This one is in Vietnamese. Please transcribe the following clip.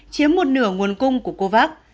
chiếm một nửa nguồn cung của covax